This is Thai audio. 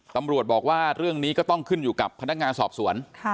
ตำรวจบอกว่าเรื่องนี้ก็ต้องขึ้นอยู่กับพนักงานสอบสวน